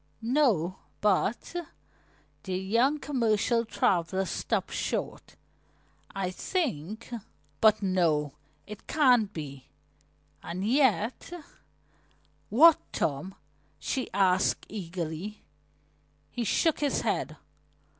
"No, but " The young commercial traveler stopped short. "I think But no, it can't be. And yet " "What, Tom?" she asked eagerly. He shook his head.